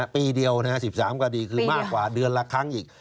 ปีเดียว๑๓คดีคือมากกว่าเดือนละครั้งอีก